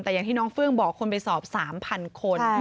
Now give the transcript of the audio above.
แต่อย่างที่น้องเฟื่องบอกคนไปสอบ๓๐๐คน